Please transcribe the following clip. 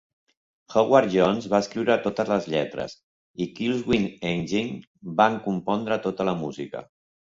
Howard Jones va escriure totes les lletres i Killswitch Engage van compondre tota la música.